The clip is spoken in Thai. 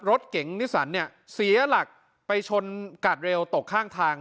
รถเก๋งนิสันเนี่ยเสียหลักไปชนกาดเร็วตกข้างทาง